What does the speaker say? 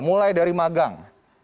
mulai dari magang